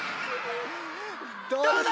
どうだ！